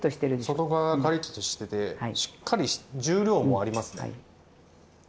外側がカリッとしててしっかり重量もありますね。